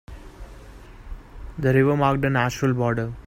The river marked a natural border.